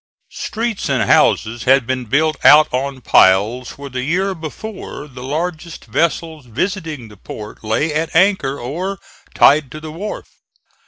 Streets and houses had been built out on piles where the year before the largest vessels visiting the port lay at anchor or tied to the wharf.